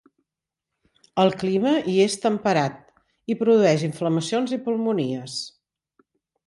El clima hi és temperat, i produeix inflamacions i pulmonies.